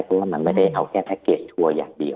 เพราะว่ามันไม่ได้เอาแค่แพ็จทัวร์อย่างเดียว